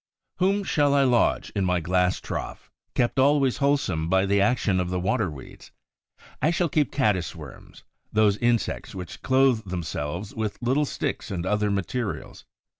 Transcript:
] Whom shall I lodge in my glass trough, kept always wholesome by the action of the water weeds? I shall keep Caddis worms, those insects which clothe themselves with little sticks and other materials.